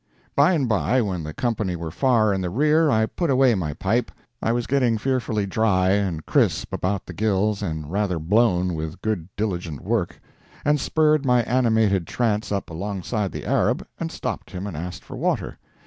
By and by, when the company were far in the rear, I put away my pipe I was getting fearfully dry and crisp about the gills and rather blown with good diligent work and spurred my animated trance up alongside the Arab and stopped him and asked for water.